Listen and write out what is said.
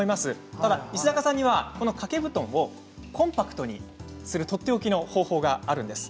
ただ石阪さんには掛け布団をコンパクトにするとっておきの方法があるんです。